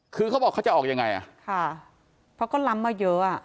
คือเขาบอกเขาจะออกยังไงอ่ะค่ะเพราะก็ล้ำมาเยอะอ่ะ